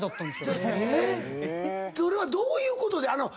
それはどういうことで？